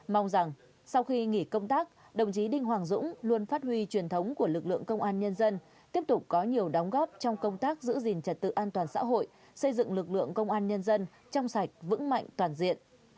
mong rằng sau khi nghỉ công tác đồng chí đinh hoàng dũng luôn phát huy truyền thống của lực lượng công an nhân dân tiếp tục có nhiều đóng góp trong công tác giữ gìn trật tự an toàn xã hội xây dựng lực lượng công an nhân dân trong sạch vững mạnh toàn diện